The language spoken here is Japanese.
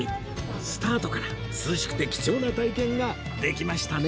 スタートから涼しくて貴重な体験ができましたね